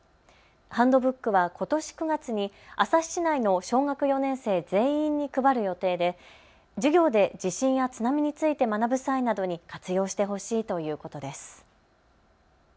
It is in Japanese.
ハンドブックはことし９月に旭市内の小学４年生全員に配る予定で授業で地震や津波について学ぶ際などに活用してほしいということです。